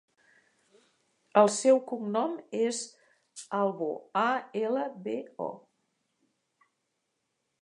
El seu cognom és Albo: a, ela, be, o.